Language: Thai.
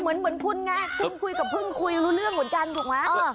เหมือนคุณไงเพิ่งคุยกับเพิ่งคุยรู้เรื่องเหมือนกันถูกไหม